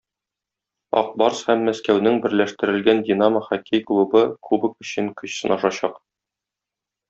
"Ак Барс" һәм Мәскәүнең берләштерелгән "Динамо" хоккей клубы кубок өчен көч сынашачак.